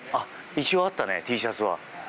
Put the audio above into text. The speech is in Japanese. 一応あったね、Ｔシャツが。